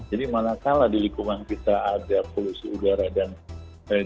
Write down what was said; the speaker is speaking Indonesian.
jadi manakala di lingkungan kita ada polusi udara dan segar